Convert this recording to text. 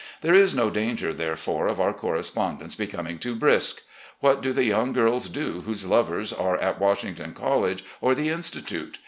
There is no danger, therefore, of our correspondence becoming too brisk. What do the yotmg girls do whose lovers are at Washington College or the Institute?